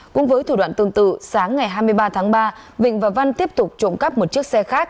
cũng với thủ đoạn tương tự sáng ngày hai mươi ba tháng ba vịnh và văn tiếp tục trộm cắp một chiếc xe khác